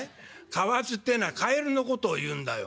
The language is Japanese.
かわずってえのはカエルのことを言うんだよ」。